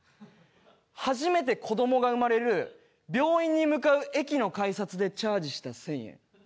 初めて子どもが生まれる病院に向かう駅の改札でチャージした１０００円。